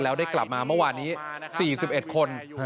แล้วได้กลับมาเมื่อวานนี้๔๑คน